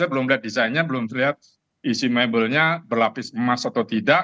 saya belum lihat desainnya belum terlihat isi mebelnya berlapis emas atau tidak